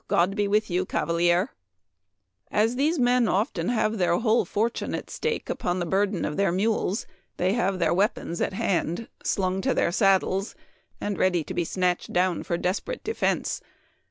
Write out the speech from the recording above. God be with you, cavalier !'" As these men have often their whole for tune at stake upon the burden of their mules, they have their weapons at hand, slung to their saddles, and ready to be snatched down for desperate defense.